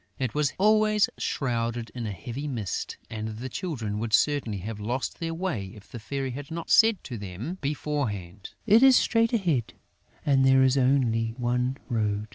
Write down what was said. It was always shrouded in a heavy mist; and the Children would certainly have lost their way, if the Fairy had not said to them beforehand: "It is straight ahead; and there is only one road."